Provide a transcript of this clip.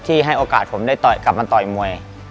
ให้โอกาสผมได้กลับมาต่อยมวย